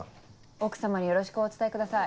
奥様によろしくお伝えください。